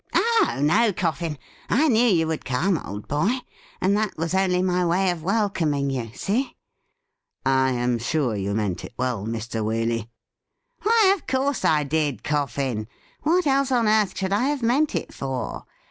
' Oh no, Coffin ; I knew you would come, old boy, and that was only my way of welcoming you — see .?'' I am sure you meant it well, Mr. Waley.' 'Why, of course I did, Coffin. What else on earth should I have meant it for